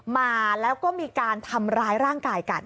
มาแล้วก็มีการทำร้ายร่างกายกัน